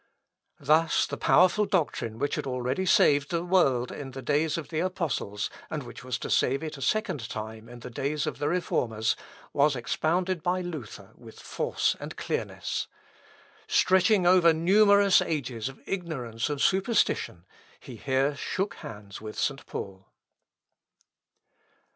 Thus the powerful doctrine which had already saved the world in the days of the Apostles, and which was to save it a second time in the days of the Reformers, was expounded by Luther with force and clearness. Stretching over numerous ages of ignorance and superstition, he here shook hands with St. Paul.